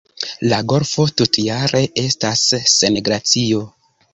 La golfo tutjare estas sen glacio.